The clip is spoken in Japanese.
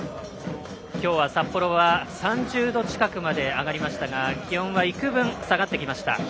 今日は、札幌は３０度近くまで上がりましたが気温は幾分下がってきました。